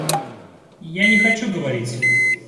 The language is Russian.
Я не хочу говорить.